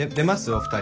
お二人。